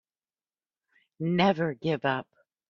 Never give up.